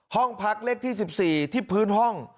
ห้องพักเลขที่๑๔ที่พื้นห้อง